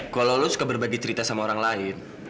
kalau lu suka berbagi cerita sama orang lain